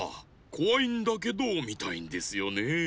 こわいんだけどみたいんですよねえ。